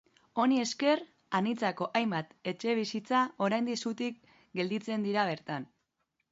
Honi esker, antzinako hainbat etxebizitza oraindik zutik gelditzen dira bertan.